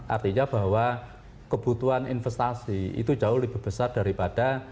artinya bahwa kebutuhan investasi itu jauh lebih besar daripada